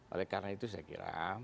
oleh karena itu saya kira